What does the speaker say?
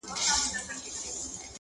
هم خوارځواکی هم ناروغه هم نېستمن وو؛